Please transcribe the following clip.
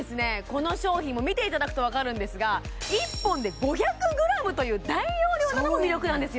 この商品も見ていただくと分かるんですが１本で５００ｇという大容量なのも魅力なんですよ